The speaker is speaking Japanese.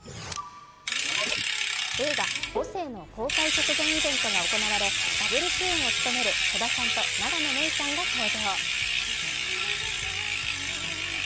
映画「母性」の公開直前イベントが行われ、ダブル主演を務める戸田さんと永野芽郁さんが登場。